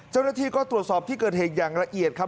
เจ้าหน้าที่ก็ตรวจสอบที่เกิดเหตุอย่างละเอียดครับ